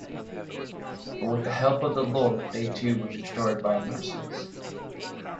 But with the help of the Lord they too were destroyed by Narses.